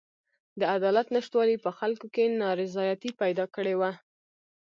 د عدالت نشتوالي په خلکو کې نارضایتي پیدا کړې وه.